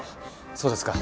そうですか。